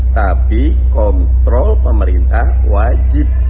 tapi kontrol pemerintah wajib